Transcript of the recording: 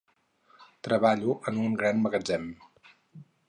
Treballo en un gran magatzem.